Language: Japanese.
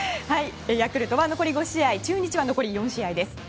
ヤクルトは残り５試合中日は４試合です。